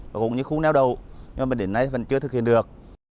và cũng những khu neo đầu nhưng mà đến nay vẫn chưa thực hiện được